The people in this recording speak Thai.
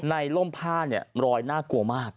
ร่มผ้าเนี่ยรอยน่ากลัวมาก